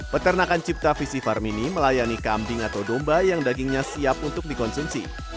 peternakan cipta visi farmini melayani kambing atau domba yang dagingnya siap untuk dikonsumsi